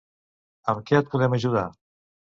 Amb què et podem ajudar?